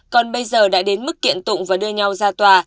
còn bây giờ đã đến mức kiện tụng và đưa nhau ra tòa